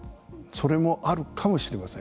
それもあるかもしれません。